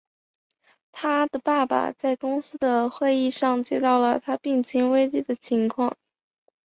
他的爸爸在公司的会议上接到了他病情危机的情况。